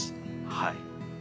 はい。